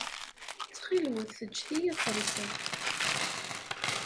Ttxil-wet ǧǧet-iyi ad xellṣeɣ.